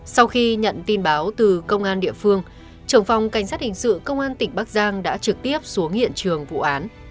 sau khi nhận tin báo từ công an địa phương trưởng phòng cảnh sát hình sự công an tỉnh bắc giang đã trực tiếp xuống hiện trường vụ án